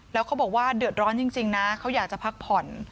แล้วเขาบอกว่าเดือดร้อนจริงนะเขาอยากจะพักผ่อน